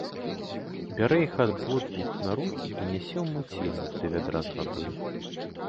Бярэ іх абодвух на рукі і нясе ў мыцельнік да вядра з вадою.